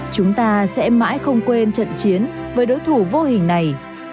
chúng ta sẽ mãi không quên trận chiến với đối thủ vô hình này